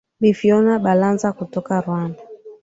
bi fiona mbalazi kutoka rwanda